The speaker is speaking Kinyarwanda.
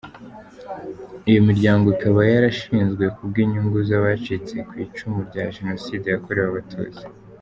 Iyo miryango ikaba yarashinzwe kubw’ inyungu z’abacitse ku icumu rya Genocide yakorewe abatutsi .